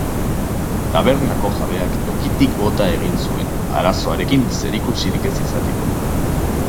Tabernako jabeak tokitik bota egin zuen, arazoarekin zerikusirik ez izateko.